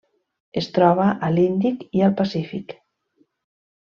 Es troba a l'Índic i al Pacífic.